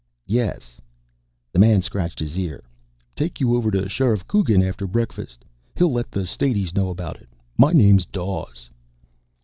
"Yes." The man scratched his ear. "Take you over to Sheriff Coogan after breakfast. He'll let the Stateys know about it. My name's Dawes."